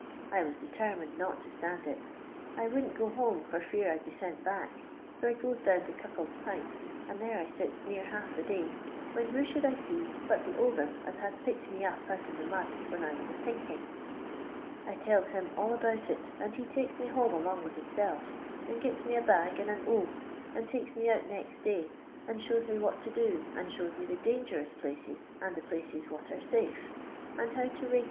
I was determined not to stand it. I wouldn't go home for fear I 'd be sent back, iq I goes down to Cuckold's P'int and there I sits near half the day, when who should I see but the old un as bad picked me up out of the mud when I was a sinking, I telU him all about it, and he takes me home along with hissel^and giu me a bag and an o, and takes me out next day, and shows me what to do, and shows me the d;ingerous places, and the places what are safe, and how to rake.